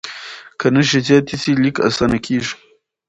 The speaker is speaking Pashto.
که نښې زیاتې سي، لیک اسانه کېږي.